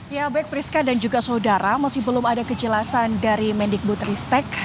ya baik priska dan juga saudara masih belum ada kejelasan dari mendikbud ristek